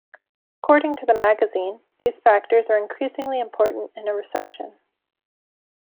According to the magazine, These factors are increasingly important in a recession.